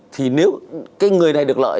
thì nếu người này được lợi